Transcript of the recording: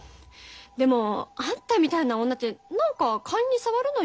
でもあんたみたいな女って何かカンに障るのよ。